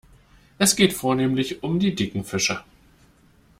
Es geht vornehmlich um die dicken Fische.